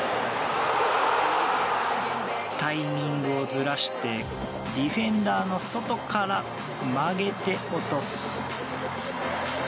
タイミングをずらしてディフェンダーの外から曲げて、落とす。